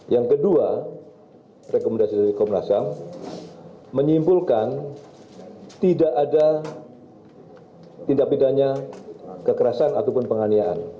yang kedua rekomendasi dari komnas ham menyimpulkan tidak ada tindak pidana kekerasan ataupun penganiayaan